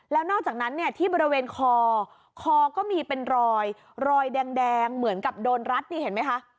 แล้วนอกจากนั้นเนี่ยที่บริเวณคอคอก็มีเป็นรอยรอยแดงเหมือนกับโดนรัดนี่เห็นไหมคะ